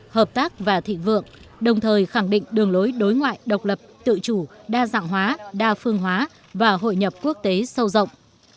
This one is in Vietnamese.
hợp tác và thị vượng đồng thời khẳng định đường lối đối ngoại độc lập tự chủ đa dạng hóa đa phương hóa và hội nhập quốc tế sâu rộng